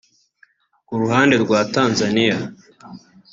Ku ruhande rwa Tanzania